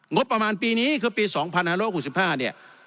งบประมาณปีนี้คือปี๒๕๖๕เนี่ย